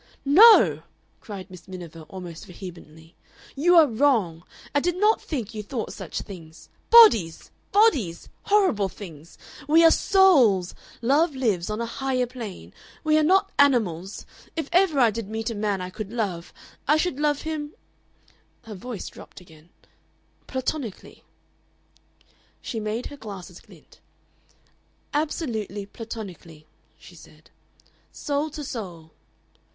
"No," cried Miss Miniver, almost vehemently. "You are wrong! I did not think you thought such things. Bodies! Bodies! Horrible things! We are souls. Love lives on a higher plane. We are not animals. If ever I did meet a man I could love, I should love him" her voice dropped again "platonically." She made her glasses glint. "Absolutely platonically," she said. "Soul to soul."